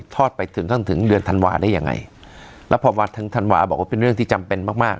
อดไปถึงท่านถึงเดือนธันวาได้ยังไงแล้วพอมาถึงธันวาบอกว่าเป็นเรื่องที่จำเป็นมากมาก